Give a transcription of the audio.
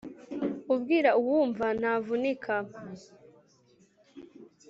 Ubwira uwumva ntavunika